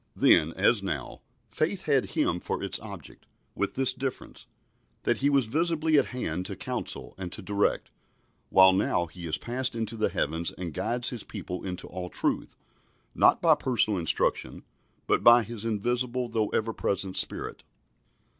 Then, as now, faith had Him for its object, with this difference, that He was visibly at hand to counsel and to direct, while now He is passed into the heavens and guides His people into all truth, not by personal instruction but by His invisible though ever present Spirit.